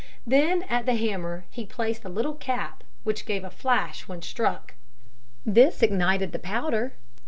Then at the hammer he placed a little cap which gave a flash when struck. This ignited the powder.